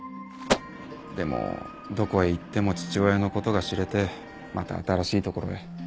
でもどこへ行っても父親の事が知れてまた新しいところへ。